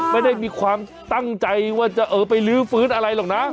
ไม่ได้มีความตั้งใจว่าจะเออไปลื้อฟื้นอะไรหรอกนะ